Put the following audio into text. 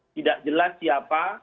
tidak jelas siapa